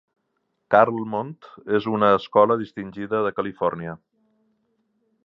Carlmont és una escola distingida de Califòrnia.